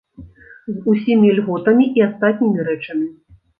З усімі льготамі і астатнімі рэчамі.